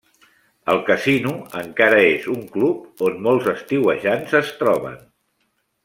El Casino encara és un club on molts estiuejants es troben.